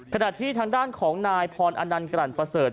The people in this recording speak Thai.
ขนาดที่ทางด้านของนายพรอนันกรรณประเสริฐ